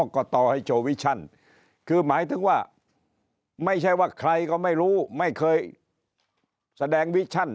ก็ต่อให้โชวิชั่นคือหมายถึงว่าไม่ใช่ว่าใครก็ไม่รู้ไม่เคยแสดงวิชั่น